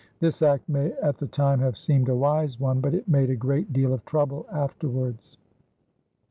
This act may at the time have seemed a wise one, but it made a great deal of trouble afterwards.